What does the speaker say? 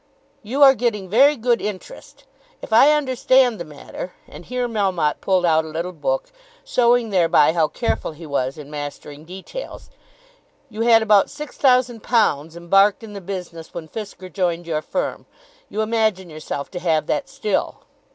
"You are getting very good interest. If I understand the matter," and here Melmotte pulled out a little book, showing thereby how careful he was in mastering details, "you had about £6,000 embarked in the business when Fisker joined your firm. You imagine yourself to have that still."